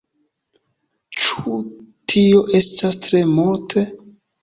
Ĉu tio estas tre multe?